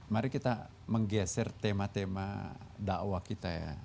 mari kita menggeser tema tema dakwah kita ya